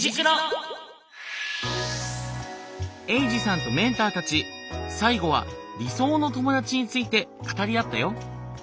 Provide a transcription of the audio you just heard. エイジさんとメンターたち最後は理想の友達について語り合ったよ。